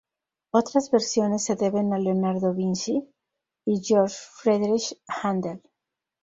Otras versiones se deben a Leonardo Vinci y Georg Friedrich Händel.